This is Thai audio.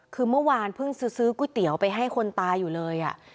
คือเมื่อวานเพิ่งซื้อก๋วยเตี๋ยวไปให้คนตายอยู่เลย